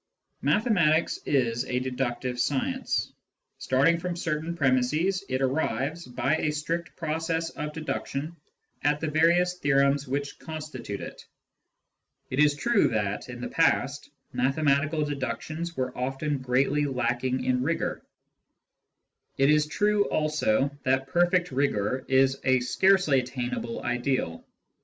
Mathematics is a deductive science : starting from certain ^ premisses, it arrives, by a strict process of deduction, at the various theorems which constitute it. It is true that, in the past, mathematical deductions were often greatly lacking in rigour ; it is true also that perfect rigour is a scarcely attainable ideal.